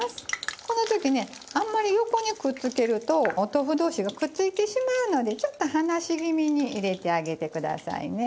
この時ねあんまり横にくっつけるとお豆腐同士がくっついてしまうのでちょっと離し気味に入れてあげてくださいね。